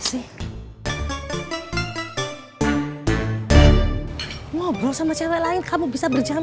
giliran ngobrol sama cewek lain kamu bisa berjam jam